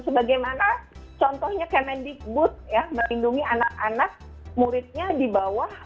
sebagaimana contohnya kemedikbud melindungi anak anak muridnya di bawah